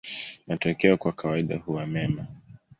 Matokeo kwa kawaida huwa mema.